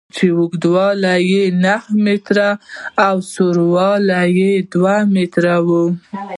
چې اوږدوالی یې نهه متره او سور او لوړوالی یې دوه متره و.